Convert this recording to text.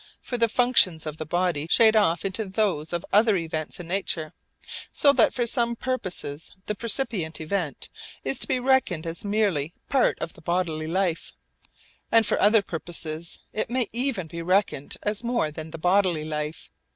For the functions of the body shade off into those of other events in nature; so that for some purposes the percipient event is to be reckoned as merely part of the bodily life and for other purposes it may even be reckoned as more than the bodily life.